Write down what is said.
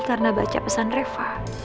karena baca pesan reva